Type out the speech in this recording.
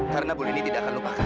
karena bul ini tidak akan lupakan